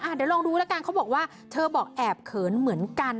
เดี๋ยวลองดูแล้วกันเขาบอกว่าเธอบอกแอบเขินเหมือนกัน